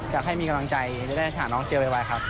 อยากให้มีกำลังใจได้หาน้องเจอเรื่อยครับ